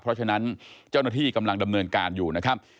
เพราะฉะนั้นเจ้าหน้าที่กำลังดำเนินการอยู่นะครับ